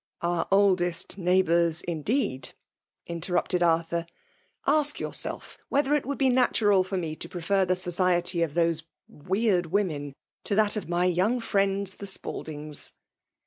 *^ Our oldest neighbours, indeed !" intev^ tapted Arthur. '' Aak yourself whether it would be natural fof me to iprefer the soeiety of those weird women to that of my young fiienda the Spaldings."